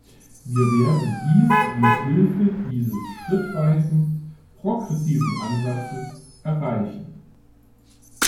Wir werden dies mithilfe dieses schrittweisen, progressiven Ansatzes erreichen.